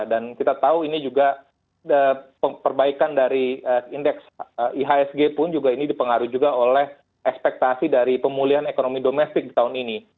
dan kita tahu ini juga perbaikan dari indeks ihsg pun juga ini dipengaruhi juga oleh ekspektasi dari pemulihan ekonomi domestik di tahun ini